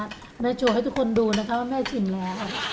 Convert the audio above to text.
แม่โชว์ให้ทุกคนดูนะคะว่าแม่ชิมแล้ว